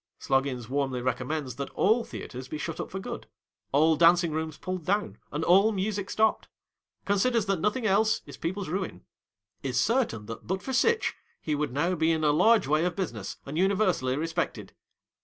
Sloggins warmly recommends that all Theatres be shut up for good, all Dancing Rooms pulled down, and all music stopped. Considers that nothing else is people's ruin. Is certain that but for sitch, he would now be in a large way of business and universally respected.